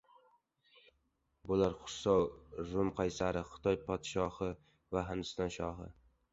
bular Xusrav, Rum qaysari, Xitoy podshosi va Hindiston shohi”.